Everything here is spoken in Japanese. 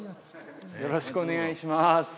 よろしくお願いします